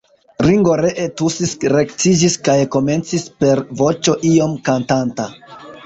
Ringo ree tusis, rektiĝis kaj komencis per voĉo iom kantanta.